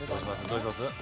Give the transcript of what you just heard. どうします？